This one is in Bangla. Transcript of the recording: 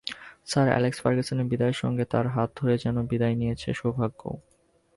স্যার অ্যালেক্স ফার্গুসনের বিদায়ের সঙ্গে তাঁর হাত ধরে যেন বিদায় নিয়েছে সৌভাগ্যও।